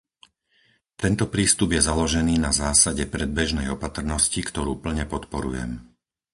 Tento prístup je založený na zásade predbežnej opatrnosti, ktorú plne podporujem.